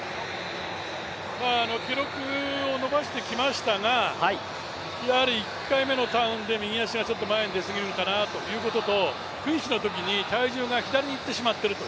記録を伸ばしてきましたが、１回目のターンで右足がちょっと前に出すぎるのかなということとフィニッシュのときに体重が左に行ってしまっていると。